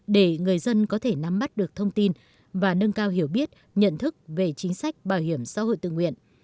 để người dân có thể nắm bắt được thông tin và nâng cao hiểu biết nhận thức về chính sách bảo hiểm xã hội tự nguyện